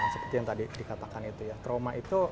seperti yang tadi dikatakan itu ya trauma itu